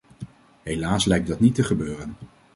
Helaas lijkt dat niet te gebeuren.